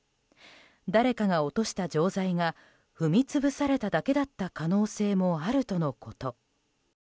誰かが落とした錠剤が踏み潰されただけだった可能性もあるとのこと。